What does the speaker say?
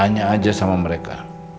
tanya aja sama mereka